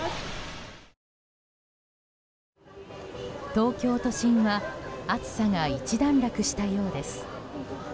東京都心は暑さが一段落したようです。